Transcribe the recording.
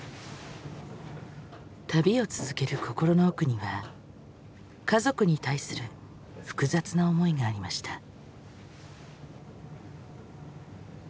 旅を続ける心の奥には家族に対する複雑な思いがありました。